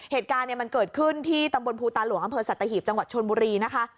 เหตุการณ์มันเกิดขึ้นที่ตำบลภูตาหลวงอำเภอสัตหีบจังหวัดชนบุรีนะคะ